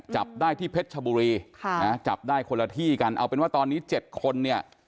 จับได้ที่เพชรชบุรีค่ะนะจับได้คนละที่กันเอาเป็นว่าตอนนี้๗คนเนี่ย